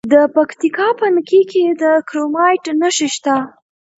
د پکتیکا په نکې کې د کرومایټ نښې شته.